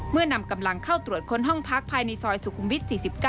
นำกำลังเข้าตรวจค้นห้องพักภายในซอยสุขุมวิท๔๙